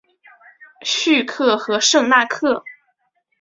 叙克和圣纳克。